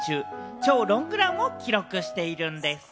超ロングランを記録しているんでぃす。